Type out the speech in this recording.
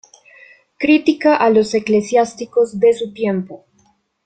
Critica a los eclesiásticos de su tiempo.